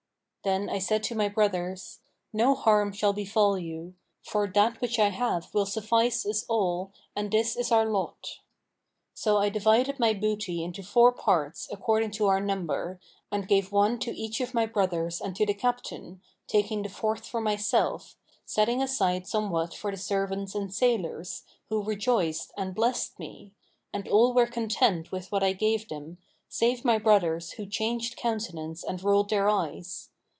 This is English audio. Then I said to my brothers, 'No harm shall befal you; for that which I have will suffice us all and this is our lot.'[FN#527] So I divided my booty into four parts according to our number and gave one to each of my brothers and to the Captain, taking the fourth for myself, setting aside somewhat for the servants and sailors, who rejoiced and blessed me: and all were content with what I gave them, save my brothers who changed countenance and rolled their eyes.